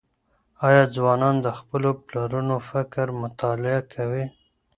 آيا ځوانان د خپلو پلرونو فکر مطالعه کوي؟